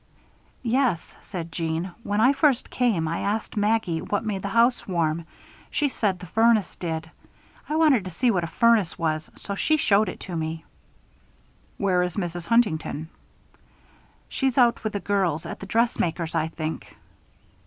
"Yes," said Jeanne. "When I first came, I asked Maggie what made the house warm. She said the furnace did. I wanted to see what a furnace was, so she showed it to me." "Where is Mrs. Huntington?" "She's out with the girls at the dressmaker's, I think."